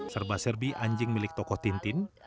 serba serbi anjing milik tokoh tintin